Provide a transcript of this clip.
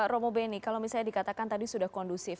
romo beni kalau misalnya dikatakan tadi sudah kondusif